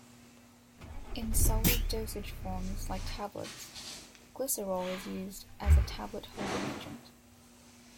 In solid dosage forms like tablets, glycerol is used as a tablet holding agent.